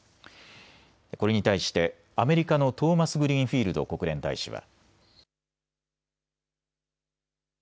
これに対してアメリカのトーマスグリーンフィールド国連大使は。